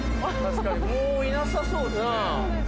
もういなさそうですね。